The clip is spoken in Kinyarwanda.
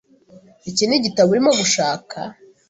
Iki nigitabo urimo gushaka.